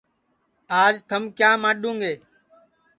آج تھم کیا ماڈؔوں گے